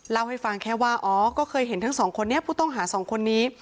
เล่าให้ฟังแค่ว่าอ๋อก็เคยเห็นทั้งสองคนนี้ผู้ต้องหาสองคนนี้